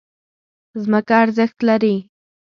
ځمکه ارزښت لري.